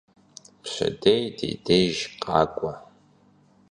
Pşedêy di dêjj khak'ue.